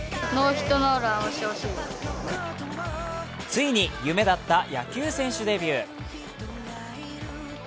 ついに夢だった野球選手デビュー。